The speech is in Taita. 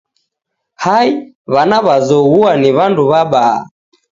Hai, w'ana w'azoghua ni w'andu w'abaa.